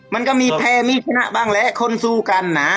มันก็มีแพ้มีชนะบ้างแหละคนสู้กันนะ